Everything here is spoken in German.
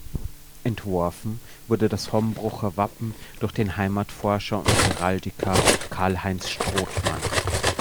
Entworfen wurde das Hombrucher Wappen durch den Heimatforscher und Heraldiker Karl-Heinz Strothmann.